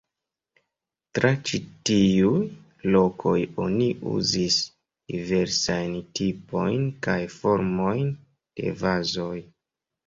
Tra ĉi tiuj lokoj oni uzis diversajn tipojn kaj formojn de vazoj.